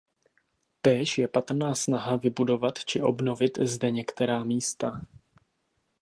Též je patrná snaha vybudovat či obnovit zde některá místa.